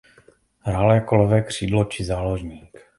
Hrál jako levé křídlo či záložník.